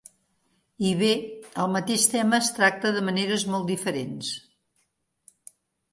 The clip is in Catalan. I bé, el mateix tema es tracta de maneres molt diferents.